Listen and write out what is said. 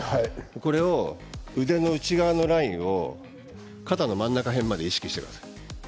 これを腕の内側のラインを肩の真ん中辺まで意識してください。